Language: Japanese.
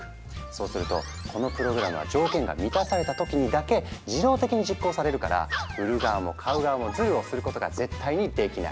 そうするとこのプログラムは条件が満たされた時にだけ自動的に実行されるから売る側も買う側もズルをすることが絶対にできない。